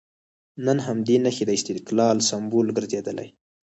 نن همدې نښې د استقلال سمبول ګرځېدلي.